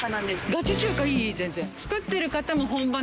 ガチ中華いいいい全然。